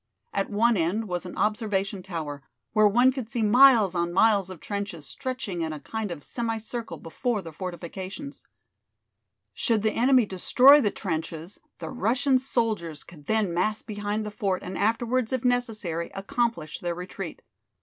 At one end was an observation tower, where one could see miles on miles of trenches stretching in a kind of semicircle before the fortifications. Should the enemy destroy the trenches the Russian soldiers could then mass behind the fort and afterwards, if necessary, accomplish their retreat.